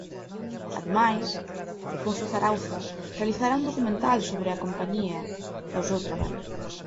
Ademais, Alfonso Zarauza realizará un documental sobre a compañía e o seu traballo.